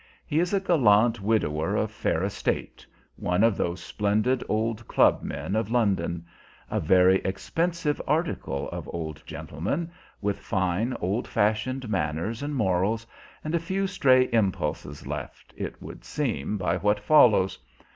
He is a gallant widower of fair estate, one of those splendid old club men of London; a very expensive article of old gentleman, with fine old fashioned manners and morals, and a few stray impulses left, it would seem by what follows.